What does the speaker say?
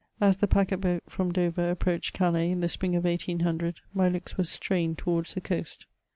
As the packet boat from Dover approached Calais in the spring of 1800, my looks were strained towards the coast.